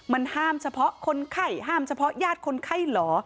มันห้ามเฉพาะคนไข้ห้ามเฉพาะญาติคนไข้เหรอ